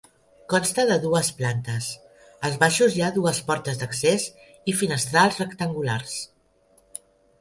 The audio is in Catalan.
Consta de dues plantes; als baixos hi ha dues portes d'accés i finestrals rectangulars.